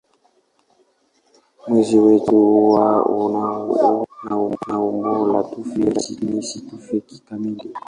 Mwezi wetu huwa na umbo la tufe lakini si tufe kamili.